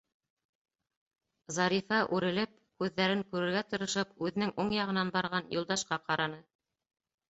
Зарифа, үрелеп, күҙҙәрен күрергә тырышып, үҙенең уң яғынан барған Юлдашҡа ҡараны.